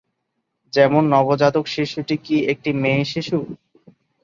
যেমন "নবজাতক শিশুটি কি একটি মেয়ে শিশু?"